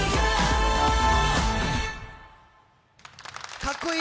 かっこいい！